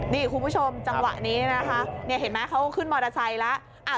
นี่คุณผู้ชมจังหวะนี้นะคะเห็นไหมเขาขึ้นมอเตอร์ไซค์แล้ว